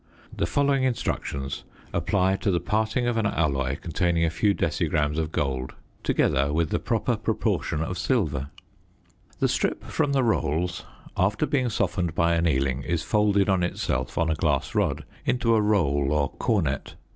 The following instructions apply to the parting of an alloy containing a few decigrams of gold together with the proper proportion of silver. [Illustration: FIG. 46.] The strip from the rolls, after being softened by annealing, is folded on itself on a glass rod into a roll or cornet.